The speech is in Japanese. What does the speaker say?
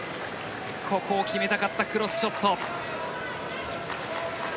ここを決めたかったクロスショット。